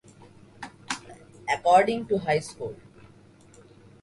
According to High Score!